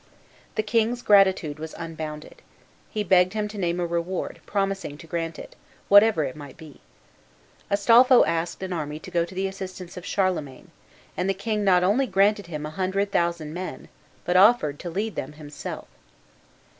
The king's gratitude was unbounded. He begged him to name a reward, promising to grant it, whatever it might be. Astolpho asked an army to go to the assistance of Charlemagne, and the king not only granted him a hundred thousand men, but offered to lead them himself.